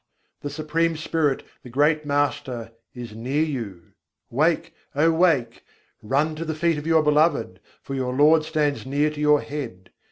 the Supreme Spirit, the great Master, is near you: wake, oh wake! Run to the feet of your Beloved: for your Lord stands near to your head.